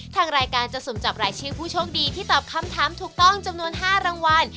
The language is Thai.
ทางรายการจะสุ่มจับรายชื่อผู้โชคดีที่ตอบคำถามถูกต้องจำนวน๕รางวัล